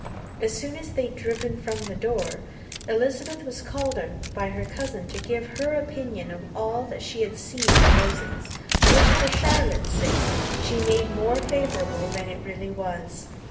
As soon as they had driven from the door, Elizabeth was called on by her cousin to give her opinion of all that she had seen at Rosings, which, for Charlotte's sake, she made more favourable than it really was.